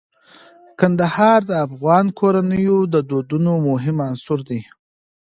کندهار د افغان کورنیو د دودونو مهم عنصر دی.